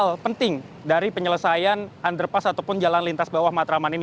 hal penting dari penyelesaian underpass ataupun jalan lintas bawah matraman ini